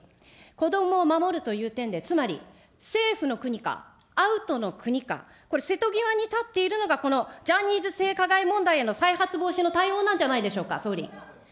子どもを守るという点で、つまりセーフの国か、アウトの国か、これ、瀬戸際に立っているのがこのジャニーズ性加害問題への再発防止の対応なんじゃないでしょうか、総理。